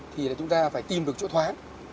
thì là chúng ta phải tìm được chỗ thoáng